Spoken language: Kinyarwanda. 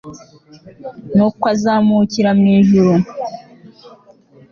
nukw'azamukira mw'ijuru